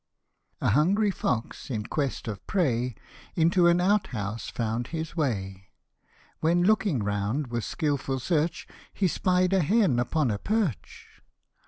A HUNGRY fox, in quest of prey, Into an out house found his way. When looking round with skilful search, He 'spied a hen upon a perch.